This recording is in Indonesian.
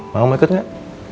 mau ikut gak